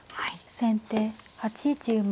先手８一馬。